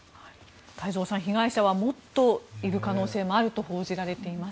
太蔵さん、被害者はもっといる可能性があると報じられています。